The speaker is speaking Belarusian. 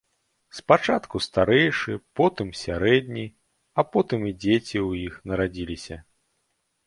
Спачатку старэйшы, потым сярэдні, а потым і дзеці ў іх нарадзіліся.